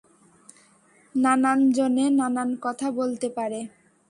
নানান জনে নানান কথা বলতে পারে।